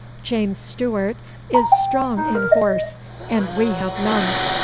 'James Stuart is strong in horse, and we have none.